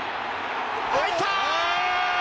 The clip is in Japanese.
入ったー！